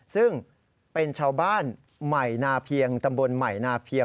ซึ่งเป็นชาวบ้านใหม่นาเพียงตำบลใหม่นาเพียง